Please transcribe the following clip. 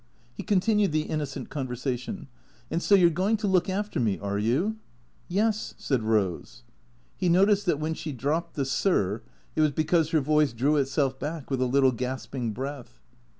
He continued the innocent conversation. " And so you 're going to look after me, are you ?"" Yes," said Eose. He noticed that when she dropped the " sir," it was because her voice drew itself back with a little gasping breath.